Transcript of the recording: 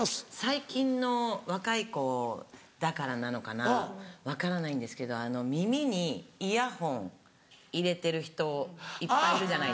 最近の若い子だからなのかな分からないんですけど耳にイヤホン入れてる人いっぱいいるじゃないですか。